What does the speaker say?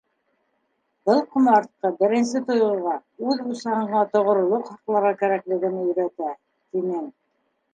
Был ҡомартҡы беренсе тойғоға, үҙ усағыңа тоғролоҡ һаҡларға кәрәклеген өйрәтә, тинең.